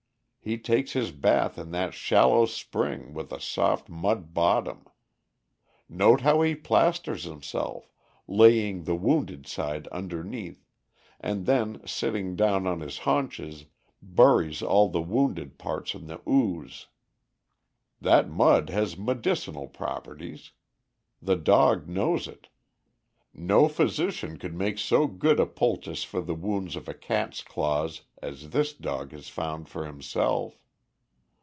He takes his bath in that shallow spring with a soft mud bottom. Note how he plasters himself, laying the wounded side underneath, and then sitting down on his haunches, buries all the wounded parts in the ooze. That mud has medicinal properties. The dog knows it. No physician could make so good a poultice for the wounds of a cat's claws as this dog has found for himself.